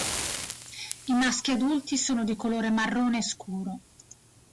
I maschi adulti sono di colore marrone scuro.